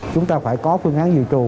chúng ta phải có phương án dự trù